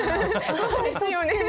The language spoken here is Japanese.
そうですよねもう。